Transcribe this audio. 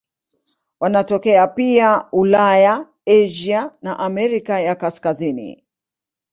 Wanatokea pia Ulaya, Asia na Amerika ya Kaskazini.